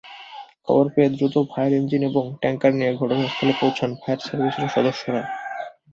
খবর পেয়ে দ্রুত ফায়ার ইঞ্জিন এবং ট্যাংকার নিয়ে ঘটনাস্থলে পৌঁছান ফায়ার সার্ভিসের সদস্যরা।